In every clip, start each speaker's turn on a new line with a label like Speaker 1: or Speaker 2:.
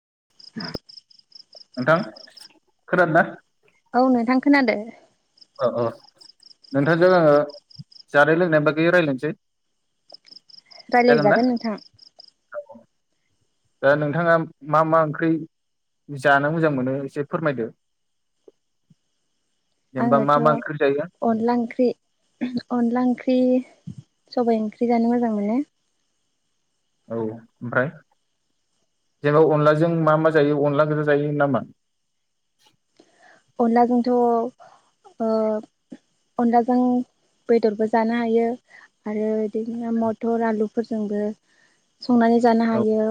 Speaker 1: [inaudible]
Speaker 2: नोंथां खोनादोना?
Speaker 1: औ नोंथां खोनादो
Speaker 2: औ औ नोंथां जोङो जानाय लोंनाय बागै रायलायनोसै।
Speaker 1: रायलायजागोन नोंथां।
Speaker 2: दा नोंथाङा मा मा ओंख्रि जानो मोजां मोनो एसे फोरमायदो। जेनेबा मा
Speaker 1: आङोथ
Speaker 2: मा ओंख्रि जायो
Speaker 1: अनला ओंख्रि अनला ओंख्रि सबाइ ओंख्रि जानो मोजां मोनो।
Speaker 2: औ ओमफ्राय जेनबा अनलाजों मा मा जायो अनला गोजा जायो नामा?
Speaker 1: अनलाजोंथ' ओ अनलाजों बेदरबो जानो हायो आरो बिदिनो मथर आलुफोरजोंबो संनानै जानो
Speaker 2: औ
Speaker 1: हायो।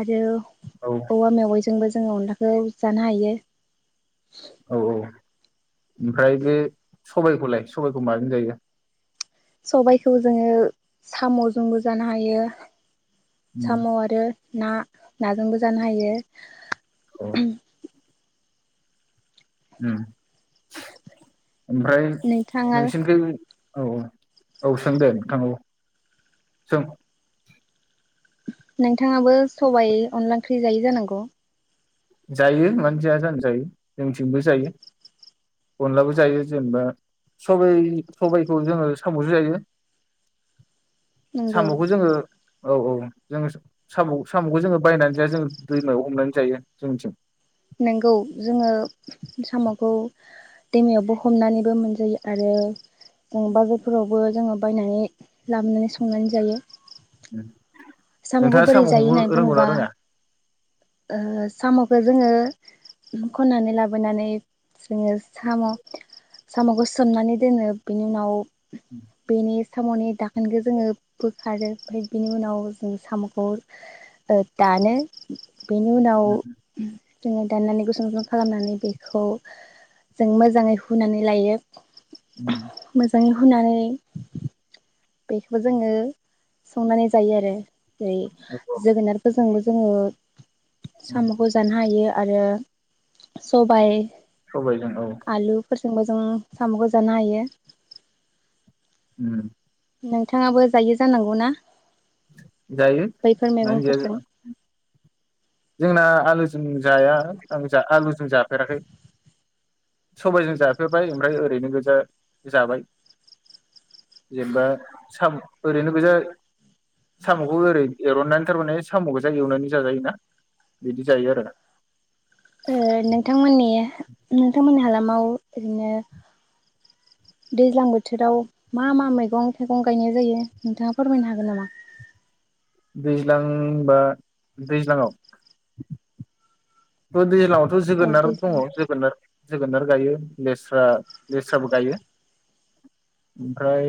Speaker 1: आरो
Speaker 2: औ
Speaker 1: औवा मेवजोंबो जोङो अनलाखौ जानो हायो।
Speaker 2: औ औ। ओमफ्राय बे सबायखौलाय सबायखौ माजों जायो?
Speaker 1: सबायखौ जोङो सामजोंबो जानो हायो।
Speaker 2: उम
Speaker 1: साम आरो ना नाजोंबो जानो हायो।
Speaker 2: औ ओम ओमफ्राय
Speaker 1: नोंथाङा
Speaker 2: नोंसिनिखौ औ औ औ सों दे नोंथाबो सों
Speaker 1: नोंथाङाबो सबाइ अनला ओंख्रि जायो जानांगौ?
Speaker 2: जायो मानो जाया जानो जायो जोंथिंबो जायो अनलाबो जायो जेनेबा सबाइ सबाइखौ जोङो सामजों जायो।
Speaker 1: नंगौ
Speaker 2: सामखौ जोङो औ औ जोङो साम सामखौ जोङो बायनानै जाया जोङो दैमायाव हमना जायो। जोंथिं
Speaker 1: नंगौ जोङो सामखौ दैमायावबो हमनानैबो मोनजायो आरो बाजारफोरावबो जोङो बायनानै लाबोनानै संनानै जायो। सामखौ
Speaker 2: नोंथाङा
Speaker 1: बोरै
Speaker 2: साम'
Speaker 1: जायो
Speaker 2: हमनो
Speaker 1: होननानै
Speaker 2: रोंगौना
Speaker 1: बुङोबा
Speaker 2: रोङा
Speaker 1: ओ साम'खौ जोङो खन्नानै लाबोनानै जोङो साम' साम'खौ सोमनानै दोनो बिनि उनाव बिनि सामनि दाखोनखौ जोङो बोखारो ओमफ्राय बिनि उनाव साम' खौ दानो। बेनि उनाव जोङो दाननानै गुसुं गुसुं खालामनानै बेखौ जों मोजाङै हुनानै लायो।
Speaker 2: उम
Speaker 1: मोजाङै हुनानै बेखौबो जोङो संनानै जायो आरो जेरै
Speaker 2: औ
Speaker 1: जोगोनारफोरजोंबो जोङो सामखौ जानो हायो आरो सबाइ
Speaker 2: सबायजों औ
Speaker 1: जोंबो जों साम खौ जानो हायो
Speaker 2: उम
Speaker 1: नोंथाङाबो जायो जानांगौ ना
Speaker 2: जायो
Speaker 1: बैफोर
Speaker 2: मोनो जाया
Speaker 1: मैगंफोरजों
Speaker 2: जानो जोंना आलुजों जाया आं जा आलुजों जाफेराखै सबायजों जाफेरबाय ओमफ्राय ओरैनो गोजा जाबाय जेनेबा साम ओरैनो गोजा साम खौ ओरै एरननानै थारमाने साम गोजा एवनानै जाजायोना बिदि जायो आरो
Speaker 1: नोंथां मोननि हालामाव ओरैनो दैज्लां बोथोराव मा मा मैगं थाइगं गायनाय जायो नोंथाङा फोरमायनो हागोन नामा?
Speaker 2: दैज्लां बा दैज्लांआव ओ दैज्लांआव थ
Speaker 1: औ
Speaker 2: जोगोनार दङ
Speaker 1: दैज्लाङाव
Speaker 2: जोगोनार जोगोनार गायो लेस्रा लेस्राबो गायो ओमफ्राय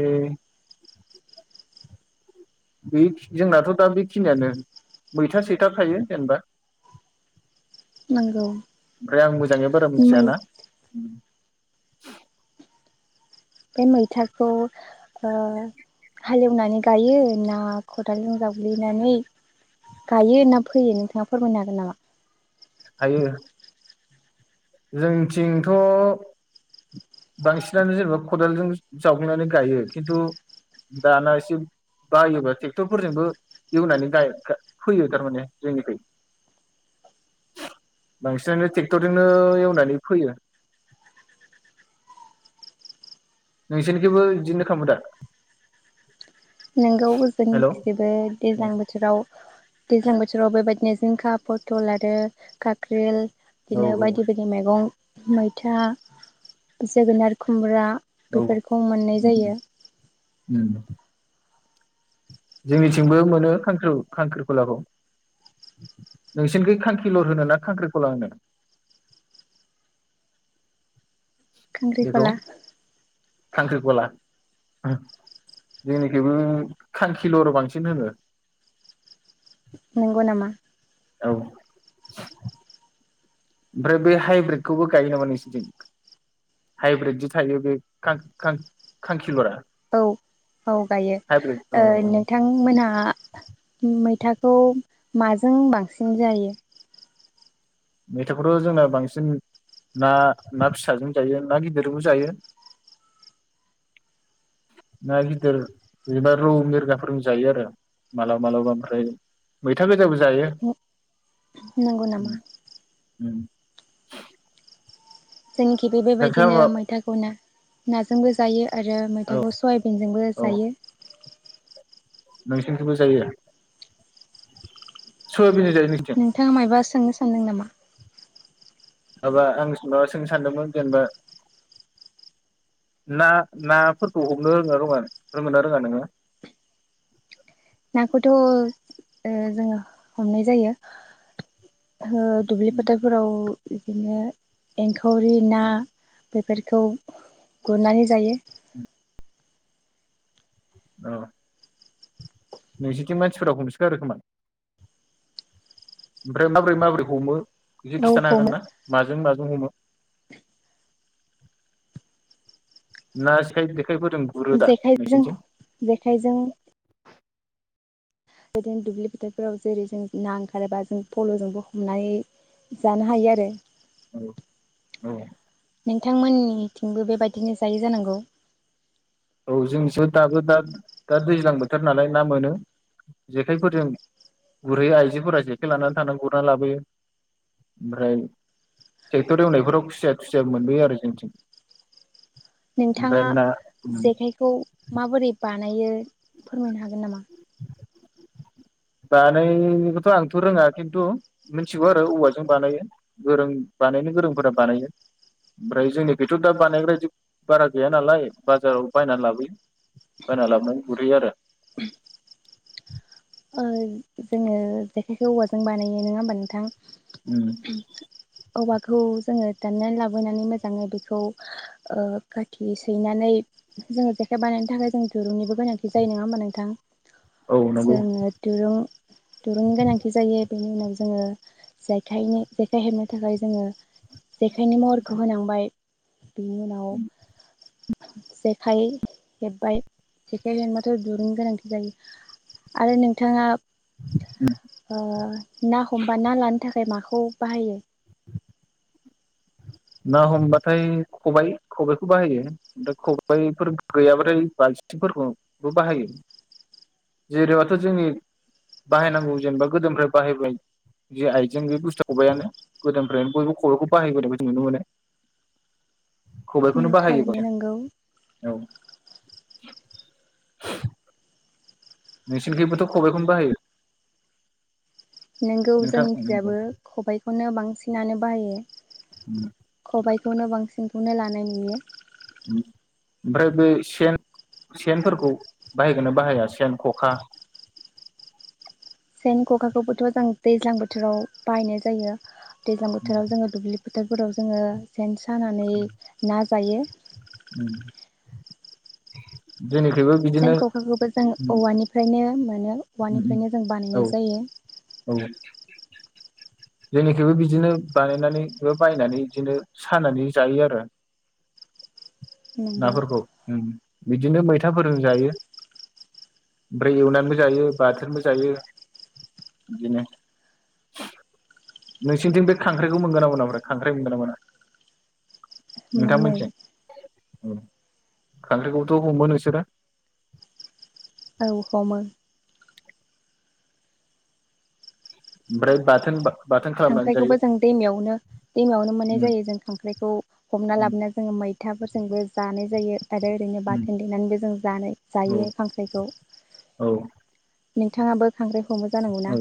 Speaker 2: बे जोंनाथ दा बेखिनियानो मैथा सैथा थायो जेनेबा
Speaker 1: नंगौ
Speaker 2: ओमफ्राय आं मोजाङै बारा
Speaker 1: मै
Speaker 2: मिथियाना [inaudible]
Speaker 1: बे मैथाखौ ओ हालेवनानै गायो ना खदालजों जावग्लिनानै गायो ना फैयो नोंथाङा फोरमायनो हागोन नामा?
Speaker 2: हायो जोंथिंथ बांसिनानो जेनेबा खदालजों जावगनानै गायो किन्तपदाना एसे बायोबा ट्रेक्टरफोरजोंबो एवनानै गा गा फैयो थारमाने जोंनिखै बांसिनानो ट्रेक्टरजोंनो एवनानै फोयो नोंसोरनिखिंबो बिदिनो खालामो दा?
Speaker 1: नोंगौ
Speaker 2: हेल'
Speaker 1: जोंनिथिंबो
Speaker 2: औ
Speaker 1: दैज्लां बोथोराव दैज्लां बोथोराव बेबायदिनो जिंखा, पथल आरो काके्ल
Speaker 2: औ
Speaker 1: बिदिनो बायदि बायदि मेगं मैथा जोगोनार खुमब्रा
Speaker 2: औ
Speaker 1: बेफोरखौ मोननाय जायो।
Speaker 2: उम जोंनिथिंबो मोनो खांख्रि खांख्रिखलाखौ नोंसिनिखै खांखिलर होनो ना खांख्रिखला होनो? बेखौ
Speaker 1: खांख्रिखला
Speaker 2: खांख्रिखला जोंनिखिबो खांखिलर बांसिन होनो
Speaker 1: नंगौ नामा
Speaker 2: औ ओमफ्राय बे हाइब्रिदखौबो गायो नामा नोंसोरथिं हाइब्रिद जि थायो बे खां खां खांखिलरा
Speaker 1: औ औ गायो
Speaker 2: हाइब्रिद औ
Speaker 1: ओ
Speaker 2: औ
Speaker 1: नोंथांमोनहा मैथा खौ माजों बांसिन जायो?
Speaker 2: मैथाखौथ' जोंना बांसिन ना ना फिसाजों जायो ना गिदिरजोंबो जायो। ना गिदिर जेनेबा रौ मिरगाफोरजोंबो जायो आरो मालाबा मालाबा ओमफ्राय मैथा गोजाबो जायो
Speaker 1: नंगौ
Speaker 2: उम
Speaker 1: नामा
Speaker 2: उम
Speaker 1: जोंखि बे बेबायदिनो
Speaker 2: नोंथाङा
Speaker 1: मैथाखौ ना नाजोंबो जायो। आरो
Speaker 2: औ
Speaker 1: मैथाखौ सयाबिनजोंबो जायो
Speaker 2: नोंसिनिखैबो जायो? सो
Speaker 1: नोंथाङा मायबा सो सोंनो सानदों नामा
Speaker 2: माबा आं माबा सोंनो सानदोंमोन जेनेबा ना नाफोरखौ हमनो रोङोना रोङा रोङोना रोङा नोङो
Speaker 1: नाखौथ' ओ ओ जोङो हमनाय जायो। ओ दुब्लि फाथारफोराव इदिनो एंखावरि ना बेफोरखौ गुरनानै जायो
Speaker 2: औ नोंसिनिथिं मानसिफोरा हमसोगारो खोमा ओमफ्राय माबोरै माबोरै हमो एसे
Speaker 1: औ
Speaker 2: खिथानो हागोन
Speaker 1: हमो
Speaker 2: ना माजों माजों हमो ना सेखाइ गिदिर
Speaker 1: जेखाइजों जेखाइजों बिदिनो दुब्लि फोथोरफोराव जेरै जों ना ओंखारोबा जों फलजोंबो हमनानै जानो हायो आरो
Speaker 2: औ औ
Speaker 1: नोंथांमोननि थिंबो बेबायदिनो जायो जानांगौ
Speaker 2: औ जोंसो दाबो दा दा दैज्लां बोथोर नालाय ना मोनो जेखायफोरजों गुरहैयो आइजोफोरा जेखाइ लानानै थांना गुरना लाबोयो ओमफ्राय ट्रेक्टर एवनायफोराव खुसिया खुसिया मोनबोयो आरो जोंनिथिं
Speaker 1: नोंथाङा जेखाइखौ माबोरै बा बानायो फोरमायनो हागोन नामा?
Speaker 2: बानायखौथ' आंथ रोङा खिन्थु मिन्थिगौ आरो औवाजों बानायो गोरों बानायनो गोरोंफोरा बानायो ओमफ्राय जोंनिखैथ' दा बानायग्रा इदि बारा गैया नालाय बाजाराव बायना लाबोयो बायना लाबोनानै गुरहैयो आरो
Speaker 1: ओ जोङो जेखाइखौ औवाजों बानायो नोङा होमबा नोंथां।
Speaker 2: उम
Speaker 1: औवाखौ जोङो दाननानै लाबोनानै मोजाङै बेखौ ओ खाथि सैनानै जोङो जेखाइ बानायनो थाखाय जों दिरुंनिबो गोनांथि जायो नङा होमबा नोंथां?
Speaker 2: औ नंगौ
Speaker 1: जोङो दुरुं दुरुंनि गोनांथि जायो बेनि उनाव जोङो जेखायनि जेखाइ हेबनो थाखाय जोङो जेखायनि महरखौ होनांबाय बिनि उनाव
Speaker 2: उम
Speaker 1: जेखाइ हेब्बाय जेखाइ हेबबाथ' दुरुंनि गोनांथि जायो। आरो नोंथाङा
Speaker 2: उम
Speaker 1: ओ ना हमबा ना लानो थाखाय माखौ खौ बाहायो।
Speaker 2: ना हमबाथाय खबाइ खबाइखौ बाहायो दा खबाइफोर गैयाबाथाय बालथिं फोरखौ बो बाहायो जेरैबाथ जोंनि बाहायनांगौ जेनेबा गोदोनिफ्राय बाहायबाय जे आइजें बे बुस्थुआ खबाइयानो गोदोनि फ्रायनो बयबो खबाइखौ बाहायबो नुनो मोनो।
Speaker 1: उम
Speaker 2: खबाइखौनो बाहायो
Speaker 1: थारैनो
Speaker 2: बां [inaudible]
Speaker 1: नंगौ
Speaker 2: नोंसि निखिबोथ खबाइखौनो बाहायो।
Speaker 1: नोंगौ
Speaker 2: नोंथां नंगौ
Speaker 1: जोंनिखिजाबो खबाइखौनो बांसिन नानो बाहायो।
Speaker 2: उम।
Speaker 1: खौनो बांसिनखौनो लानाय नुयो
Speaker 2: ओमफ्राय बे सेन सेनफोरखौ बाहायगोन ना बाहाया सेन खखा
Speaker 1: सेन खखा खौबोथ जों दैज्लां बोथोराव बाहायनाय जायो। दैजां बोथोराव जोंङो दुब्लि फोथारफोराव जोङो सेन सानानै ना जायो
Speaker 2: उम
Speaker 1: सेन खखाखौबो जों औवानिफ्रायनो मोनो औवानिफ्रायनो जों बानायनाय जायो।
Speaker 2: जोंनिखिबो बिदिनो बानायनानै बो बायनानै बिदिनो सानानै जायो आरो।
Speaker 1: नंगौ
Speaker 2: नाफोरखौ ओं बिदिनो मैथाफोरजों जायो ओमफ्राय एवनानैबो जायो बाथोनबो जायो बिदिनो नोंसिनिथिं बे खांख्राइखौ मोनगोन ना मोनाब्रा खांख्राइ मोनगोन ना मोना?
Speaker 1: मोनो
Speaker 2: औ खांख्रायखौबोथ हमो नोंसोरो?
Speaker 1: औ हमो।
Speaker 2: ओफ्राय बाथोन बाथोन खालामनानै
Speaker 1: खांख्राइखौबो जों दैमायावनो दैमायावनो मोननाय जायो जों खांख्राइखौ हमना लाबोना जोंङो मैथाफोरजोंबो जानाय जायो। आरो ओरैनो बाथोन देनानैबो जों जानो
Speaker 2: औ
Speaker 1: जायो खांख्राइखौ।
Speaker 2: औ
Speaker 1: नोंथाङाबो खांख्राय हमो जानांगौ
Speaker 2: औ
Speaker 1: ना।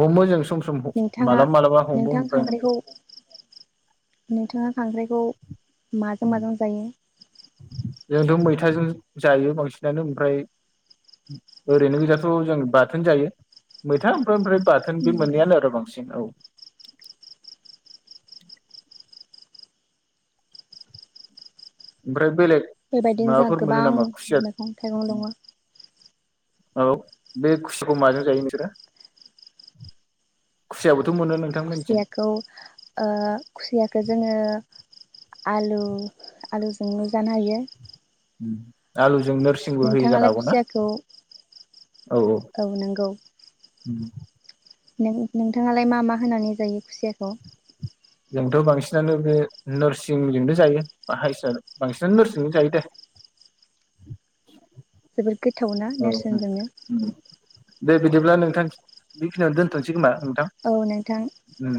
Speaker 2: हमो जों सम सम
Speaker 1: नोंथाङा
Speaker 2: मालाबा मालाबा हमो
Speaker 1: नोंथां
Speaker 2: ओमफाय ओम।
Speaker 1: खांख्राइखौ नोंथाङा खांख्राइखौ माजों माजों जायो।
Speaker 2: जोहाथ मैथाजों जायो बांसिनानो ओमफ्राय ओरैनो गोजाथ जों बाथोन जायो मैथा ओमफ्राय ओमफ्राय बाथोन बे
Speaker 1: नंगौ
Speaker 2: मोनैयानो आरो बांसिन औ। ओमफ्राय बेलेग
Speaker 1: बेबायदिनो जोंहा
Speaker 2: माबाफोर मोनो
Speaker 1: गोबां
Speaker 2: नामा खुसिया
Speaker 1: मैगं थाइगं दङ'।
Speaker 2: औ बे खुसिखौ माजों जायो नोंसोरो खुसियाबोथ मोनो नों
Speaker 1: खुसियाखौ ओ खुसियाखौ जोङो आलु-आलुजो जोबो जानो हायो
Speaker 2: आलु जों नोरसिंबो होयो जानो
Speaker 1: नोंथाङालाय
Speaker 2: हागौ ना
Speaker 1: खुसियाखौ
Speaker 2: औ औ ओम
Speaker 1: नों नोंथाङालाय मा मा होनानै जायो खुसियाखौ?
Speaker 2: जोंथ बांसिनानो बे नोरसिंजोंनो जायो बा हायसा बांसिनानो नोरसिंजोंनो जायो दे।
Speaker 1: [unintelligible] गोथावना
Speaker 2: औ
Speaker 1: नेरसोनजोंनो
Speaker 2: उम दे बिदिब्ला नोंथां बेखिनियावनो दोनथनोसै खोमा नोंथां
Speaker 1: औ नोंथां
Speaker 2: ओम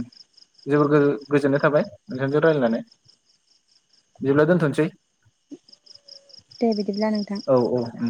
Speaker 2: जोबोर गोजो गोजोननाय थाबाय नोंथांजों रायलायनानै बिदिब्ला दोनथनोसै।
Speaker 1: दे बिदिब्ला नोंथां।
Speaker 2: औ औ